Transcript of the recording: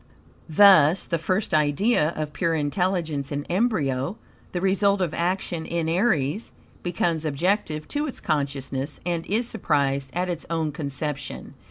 Thus the first idea of pure intelligence in embryo, the result of action in Aries, becomes objective to its consciousness and is surprised at its own conception.